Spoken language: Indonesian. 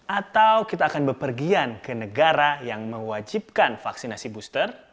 atau kita akan berpergian ke negara yang mewajibkan vaksinasi booster